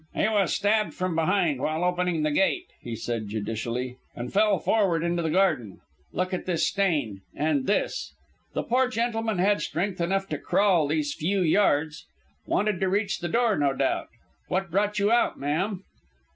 "He was stabbed from behind while opening the gate," he said judicially, "and fell forward into the garden. Look at this stain, and this; the poor gentleman had strength enough to crawl these few yards. Wanted to reach the door, no doubt. What brought you out, ma'am?"